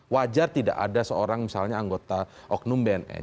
wajar tidak ada seorang misalnya anggota oknum bnn